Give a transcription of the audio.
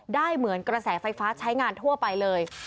เหมือนกระแสไฟฟ้าใช้งานทั่วไปเลย